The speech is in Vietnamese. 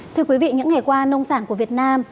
thưa quý vị những ngày qua nông sản của việt nam